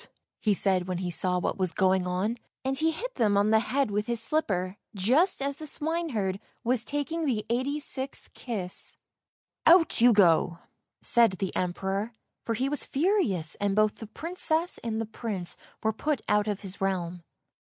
" he said when he saw what was going 3^4 ANDERSEN'S FAIRY TALES on, and he hit them on the head with his slipper just as the swineherd was taking the eighty sixth kiss. " Out you go! " said the Emperor, for he was furious, and both the Princess and the Prince were put out of his realm.